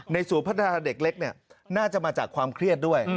ศูนย์พัฒนาเด็กเล็กน่าจะมาจากความเครียดด้วย